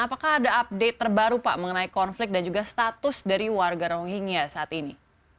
apakah ada update terbaru pak mengenai konflik dan juga status dari warga rohingya saat ini